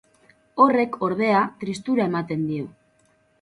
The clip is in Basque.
Horrek, ordea, tristura ematen dio.